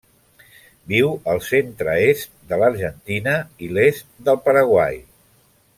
Viu al centre-est de l'Argentina i l'est del Paraguai.